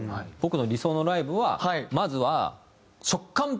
僕の理想のライブはまずは触感